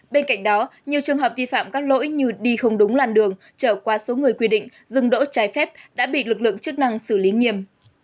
bên cạnh đó nhiều trường hợp vi phạm các lỗi như đi không đúng làn đường trở qua số người quy định dừng đỗ trái phép đã bị lực lượng chức năng xử lý nghiêm